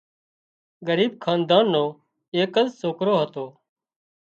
ڳريٻ حاندان نو ايڪز سوڪرو هتو